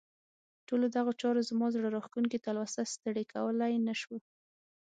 ټولو دغو چارو زما زړه راښکونکې تلوسه ستړې کولای نه شوه.